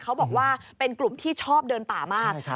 เขาบอกว่าเป็นกลุ่มที่ชอบเดินป่ามาก